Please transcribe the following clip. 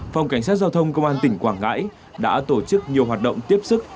phòng cảnh sát giao thông công an tỉnh quảng ngãi đã tổ chức nhiều hoạt động tiếp sức